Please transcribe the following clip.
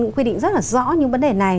cũng quy định rất rõ những vấn đề này